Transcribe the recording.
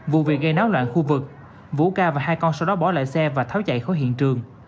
vụ việc gây náo loạn khu vực vũ ca và hai con sau đó bỏ lại xe và tháo chạy khỏi hiện trường